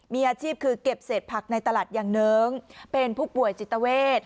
มีอาชีพคือเก็บเศษผักในตลาดอย่างเนิ้งเป็นผู้ป่วยจิตเวท